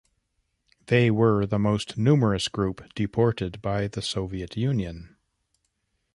They were the most numerous group deported by the Soviet Union.